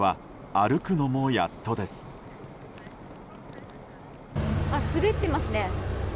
あ、滑っていますね。